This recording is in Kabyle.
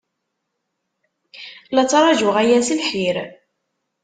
La ttṛajuɣ aya s lḥir.